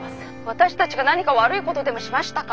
私たちが何か悪いことでもしましたか？